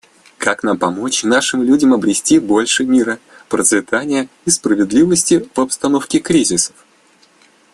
Как нам помочь нашим людям обрести больше мира, процветания и справедливости в обстановке кризисов?